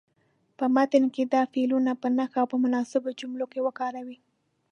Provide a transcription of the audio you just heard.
په متن کې دې فعلونه په نښه او په مناسبو جملو کې وکاروئ.